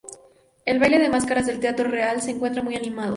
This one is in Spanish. El baile de máscaras del Teatro Real se encuentra muy animado.